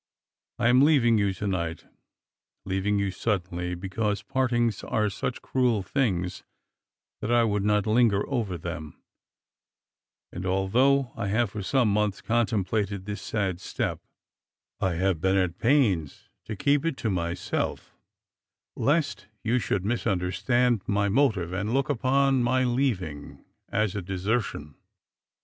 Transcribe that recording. I am leaving you to night, leaving you suddenly, because partings are such cruel things that I would not linger over them, and although I have for some months contemplated this sad step, I have been at pains to keep it to myself lest you should misunderstand my motive and look upon my leaving as a desertion.